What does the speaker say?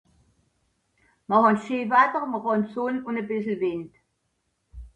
schen watter